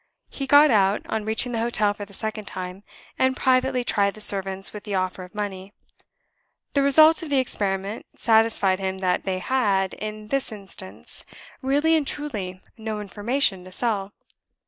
He got out, on reaching the hotel for the second time, and privately tried the servants with the offer of money. The result of the experiment satisfied him that they had, in this instance, really and truly no information to sell.